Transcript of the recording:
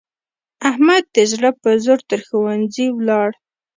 احمد د زړه په زور تر ښوونځي ولاړ.